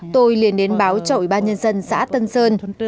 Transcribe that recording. tôi liền đến báo cho ủy ban nhân dân xã tân sơn